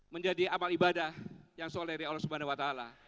menjadi amal ibadah yang soleri allah swt